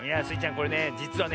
これねじつはね